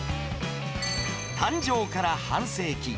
誕生から半世紀。